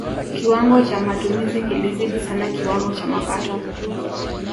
kiwango cha matumizi kilizidi sana kiwango cha mapato